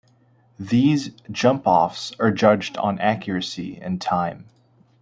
These "jump-offs" are judged on accuracy and time.